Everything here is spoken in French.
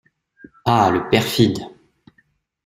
Ah le perfide!